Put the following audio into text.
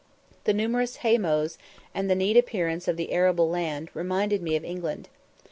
The numerous hay meadows, and the neat appearance of the arable land, reminded me of England.